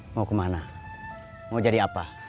mau kemana mau jadi apa